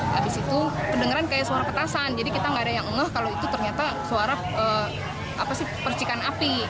habis itu kedengeran kayak suara petasan jadi kita nggak ada yang ngeh kalau itu ternyata suara percikan api